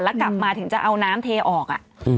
แล้วกลับมาถึงจะเอาน้ำเทออก